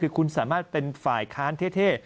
คือคุณสามารถเป็นฝ่ายค้านเท่